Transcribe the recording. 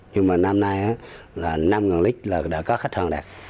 nhưng mà năm nay là năm lít là đã có khách hàng đạt